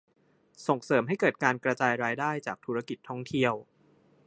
ส่งเสริมให้เกิดการกระจายรายได้จากธุรกิจท่องเที่ยว